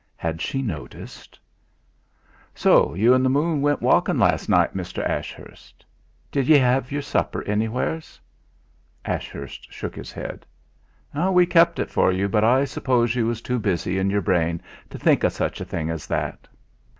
Had she noticed? "So you an' the moon went walkin' last night, Mr. Ashurst! Did ye have your supper anywheres?" Ashurst shook his head. "We kept it for you, but I suppose you was too busy in your brain to think o' such a thing as that?"